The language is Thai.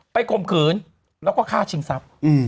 ข่มขืนแล้วก็ฆ่าชิงทรัพย์